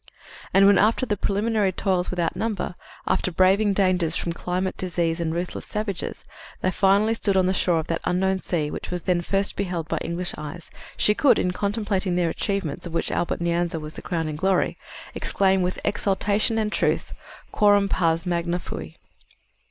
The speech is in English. And, when after preliminary toils without number, after braving dangers from climate, disease and ruthless savages, they finally stood on the shore of that unknown sea which was then first beheld by English eyes, she could, in contemplating their achievements of which Albert Nyanza was the crowning glory, exclaim with exaltation and truth, "_Quorum pars magna fui.